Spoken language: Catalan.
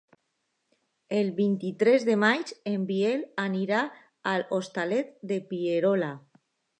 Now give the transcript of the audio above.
El vint-i-tres de maig en Biel anirà als Hostalets de Pierola.